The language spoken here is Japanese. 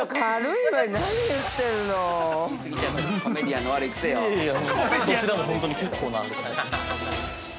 ◆いえいえどちらも本当に結構な。